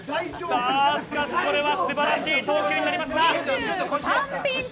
しかし、これは素晴らしい投球になりました。